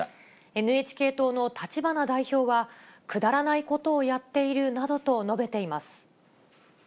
ＮＨＫ党の立花代表は、くだらないことをやっているなどと述べています。